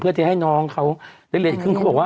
เพื่อที่จะให้น้องเขาได้เรียนครึ่ง